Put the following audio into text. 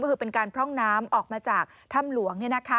ก็คือเป็นการพร่องน้ำออกมาจากถ้ำหลวง